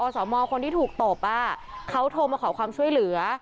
สมคนที่ถูกตบเขาโทรมาขอความช่วยเหลือ